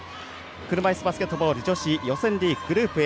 車いすバスケットボール女子グループＡ